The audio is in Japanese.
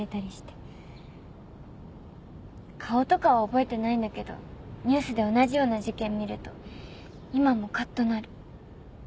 顔とか覚えてないんだけどニュースで同じような事件見ると今もカッとなる。